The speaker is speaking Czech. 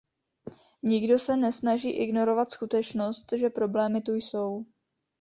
Nikdo se nesnaží ignorovat skutečnost, že problémy tu jsou.